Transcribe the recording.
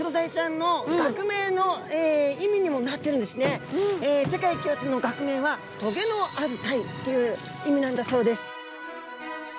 実は世界共通の学名は「棘のあるタイ」という意味なんだそうです。